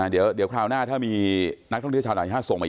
เดี๋ยวคราวหน้าถ้ามีนักท่องเที่ยวชาวต่างชาติส่งมาอีก